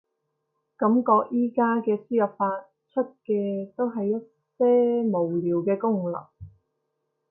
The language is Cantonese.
感覺而家嘅輸入法，出嘅都係一些無聊嘅功能